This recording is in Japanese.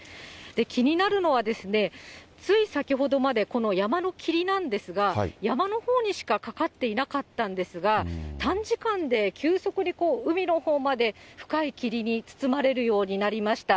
気になるのは、つい先ほどまで、この山の霧なんですが、山のほうにしかかかっていなかったんですが、短時間で急速に海のほうまで深い霧に包まれるようになりました。